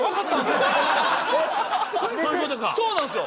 そうなんですよ。